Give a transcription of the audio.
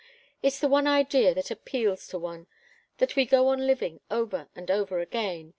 It's the one idea that appeals to one that we go on living over and over again.